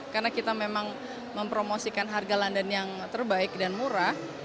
karena kita memang mempromosikan harga london yang terbaik dan murah